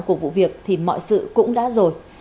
tấm quan trọng của vụ việc thì mọi sự cũng đã rồi